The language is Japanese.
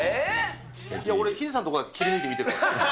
俺、ヒデさんのところだけ切り抜いて見てるから。